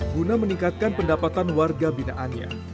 guna meningkatkan pendapatan warga binaannya